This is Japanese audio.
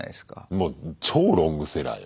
もう超ロングセラーよ。